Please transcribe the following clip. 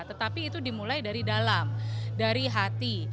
tetapi itu dimulai dari dalam dari hati